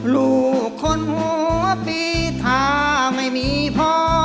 ลูกคนหัวพีทาไม่มีพอ